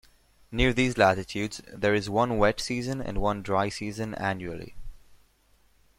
Near these latitudes, there is one wet season and one dry season annually.